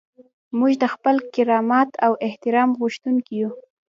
موږ د خپل کرامت او احترام غوښتونکي یو.